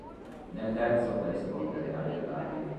Nel terzo per rispondere agli allarmi.